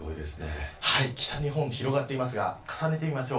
北日本も広がっていますが重ねてみましょう。